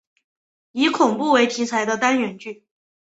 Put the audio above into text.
以恐怖为题材的单元剧。